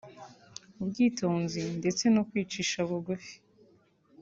ubwitonzi ndetse no kwicisha bugufi